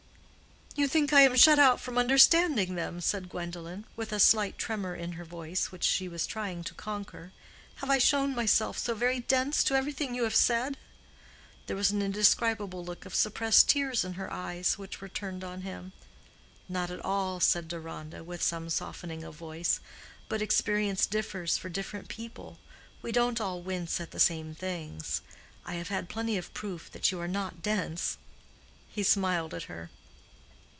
"You think I am shut out from understanding them," said Gwendolen, with a slight tremor in her voice, which she was trying to conquer. "Have I shown myself so very dense to everything you have said?" There was an indescribable look of suppressed tears in her eyes, which were turned on him. "Not at all," said Deronda, with some softening of voice. "But experience differs for different people. We don't all wince at the same things. I have had plenty of proof that you are not dense." He smiled at her.